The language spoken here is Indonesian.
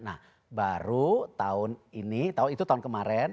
nah baru tahun ini itu tahun kemarin